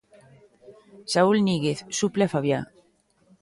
Saúl Ñíguez suple a Fabián.